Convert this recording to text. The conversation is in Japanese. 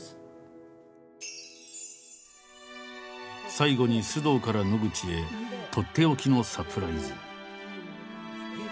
最後に須藤から野口へとっておきのサプライズ。